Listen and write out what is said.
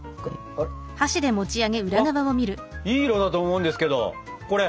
あっいい色だと思うんですけどこれ。